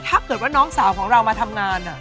ถ้าเกิดว่าน้องสาวของเรามาทำงาน